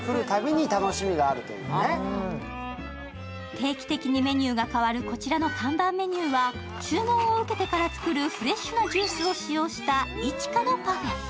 定期的にメニューが変わるこちらの看板メニューは注文を受けてから作るフレッシュなジュースを使用した一果のパフェ。